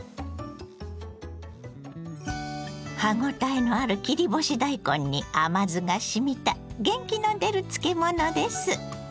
歯ごたえのある切り干し大根に甘酢がしみた元気の出る漬物です。